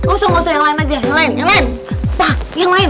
usah usah yang lain aja yang lain yang lain